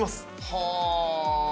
はあ！